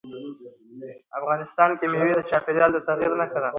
افغانستان کې مېوې د چاپېریال د تغیر نښه ده.